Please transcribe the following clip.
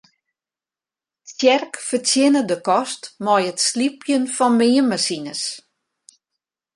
Tsjerk fertsjinne de kost mei it slypjen fan meanmasines.